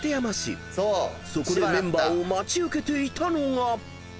［そこでメンバーを待ち受けていたのが］